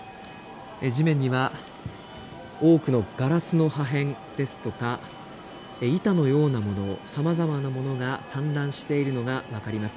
地面には多くのガラスの破片ですとか板のようなもの、さまざまなものが散乱しているのが分かります。